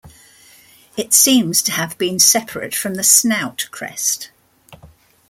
It seems to have been separate from the snout crest.